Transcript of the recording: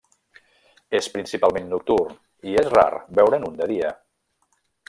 És principalment nocturn i és rar veure'n un de dia.